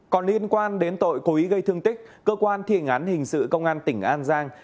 còn liên quan đến tội cố ý gây thương tích cơ quan thi hành án hình sự công an tỉnh an giang